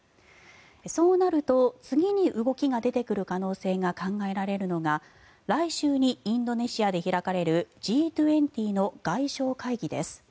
そうなると次に動きが出てくる可能性が考えられるのが来週にインドネシアで開かれるＧ２０の外相会議です。